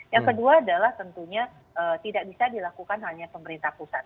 yang kedua adalah tentunya tidak bisa dilakukan hanya pemerintah pusat